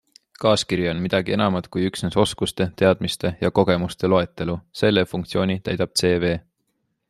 Kaaskiri on midagi enamat kui üksnes oskuste, teadmiste ja kogemuste loetelu - selle funktsiooni täidab CV.